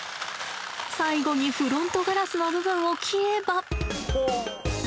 最後にフロントガラスの部分を切れば。